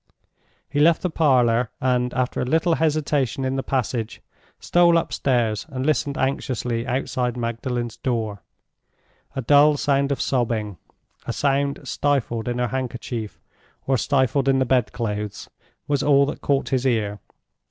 He left the parlor, and, after a little hesitation in the passage, stole upstairs and listened anxiously outside Magdalen's door. A dull sound of sobbing—a sound stifled in her handkerchief, or stifled in the bed clothes—was all that caught his ear.